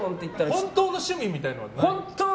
本当の趣味みたいなのはないの？